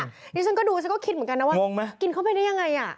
นี่ฉันก็ดูฉันก็คิดเหมือนกันนะว่างงไหมกินเข้าไปได้ยังไง